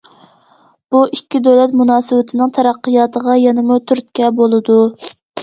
بۇ ئىككى دۆلەت مۇناسىۋىتىنىڭ تەرەققىياتىغا يەنىمۇ تۈرتكە بولىدۇ.